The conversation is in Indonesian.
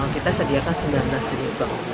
kita sediakan sembilan belas jenis baru